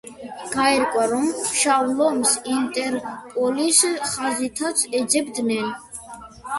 გაირკვა, რომ „შავ ლომს“ ინტერპოლის ხაზითაც ეძებდნენ.